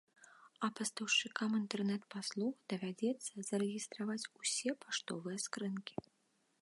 А пастаўшчыкам інтэрнэт-паслуг давядзецца зарэгістраваць усе паштовыя скрынкі.